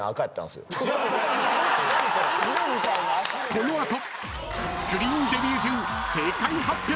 ［この後］